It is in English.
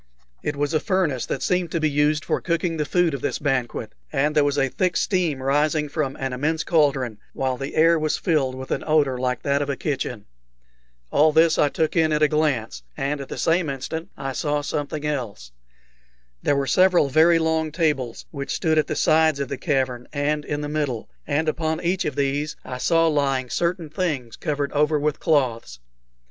It was a furnace that seemed to be used for cooking the food of this banquet, and there was a thick steam rising from an immense cauldron, while the air was filled with an odor like that of a kitchen. All this I took in at a glance, and at the same instant I saw something else. There were several very long tables, which stood at the sides of the cavern and in the middle, and upon each of these I saw lying certain things covered over with cloths.